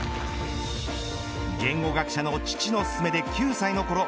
言語学者の父の勧めで９歳のころ